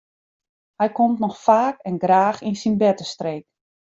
Hy komt noch faak en graach yn syn bertestreek.